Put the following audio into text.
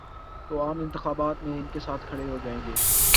تو عام انتخابات میں ان کے ساتھ کھڑے ہو جائیں گے۔